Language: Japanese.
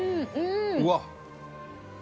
うわっ！